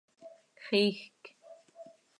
Xiijc.